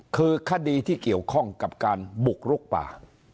คือคดีที่เกี่ยวข้องกับการบุกลุกป่า